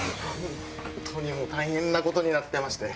本当にもう大変なことになってまして。